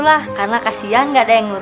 jadi mereka ketemu kembali di outdoor